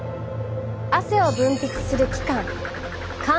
汗を分泌する器官